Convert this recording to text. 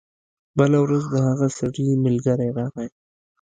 بله ورځ د هغه سړي ملګری راغی.